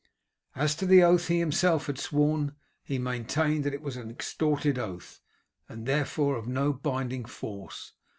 As to the oath he himself had sworn, he maintained that it was an extorted oath, and therefore of no binding force.